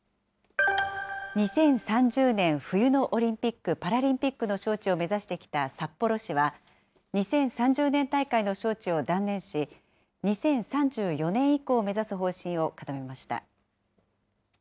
２０３０年冬のオリンピック・パラリンピックの招致を目指してきた札幌市は、２０３０年大会の招致を断念し、２０３４年以降を目指す方針を固めました。